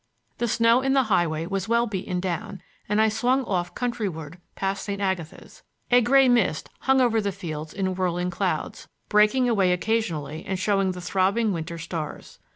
The snow in the highway was well beaten down and I swung off countryward past St. Agatha's. A gray mist hung over the fields in whirling clouds, breaking away occasionally and showing the throbbing winter stars.